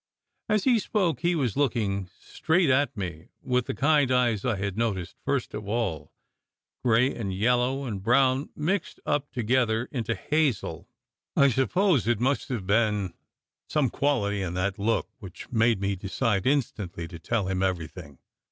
As he spoke he was looking straight at me with the kind eyes I had noticed first of all gray and yellow and brown mixed up together into hazel. I suppose it must have been some quality in that look which made me de cide instantly to tell him everything.